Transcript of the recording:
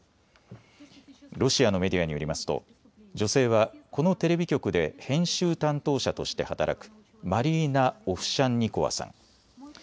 ロシアのメディアによりますと女性はこのテレビ局で編集担当者として働くマリーナ・オフシャンニコワさん。